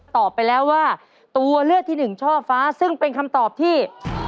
ตอบไปแล้วว่าตัวเลือกที่หนึ่งช่อฟ้าซึ่งเป็นคำตอบที่